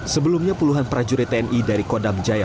sebelumnya puluhan prajurit tni dari kodam jaya